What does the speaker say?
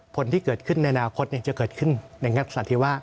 ผลที่เกิดขึ้นในอนาคตเนี่ยจะเกิดขึ้นในงักสถิวะ